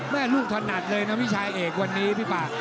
แม่ลูกถนัดเลยนะพี่ชายเอกวันนี้พี่ป่า